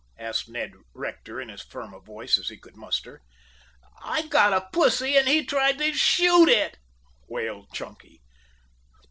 asked Ned Rector in as firm a voice as he could muster. "I got a pussy and he tried to shoot it," wailed Chunky.